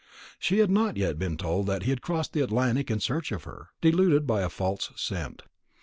She had not yet been told that he had crossed the Atlantic in search of her, deluded by a false scent.